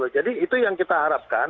jadi itu yang kita harapkan